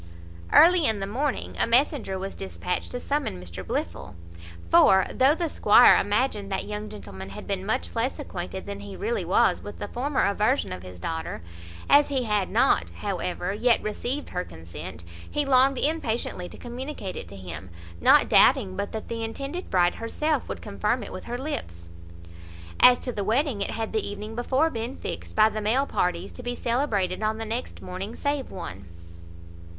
Early in the morning a messenger was despatched to summon Mr Blifil; for, though the squire imagined that young gentleman had been much less acquainted than he really was with the former aversion of his daughter, as he had not, however, yet received her consent, he longed impatiently to communicate it to him, not doubting but that the intended bride herself would confirm it with her lips. As to the wedding, it had the evening before been fixed, by the male parties, to be celebrated on the next morning save one.